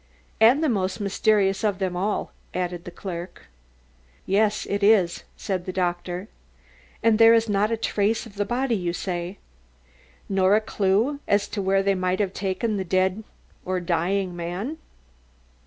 "And the most mysterious of all of them," added the clerk. "Yes, it is," said the doctor. "And there is not a trace of the body, you say? or a clue as to where they might have taken the dead or dying man?"